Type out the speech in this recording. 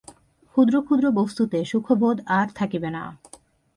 ক্ষুদ্র ক্ষুদ্র বস্তুতে সুখবোধ আর থাকিবে না।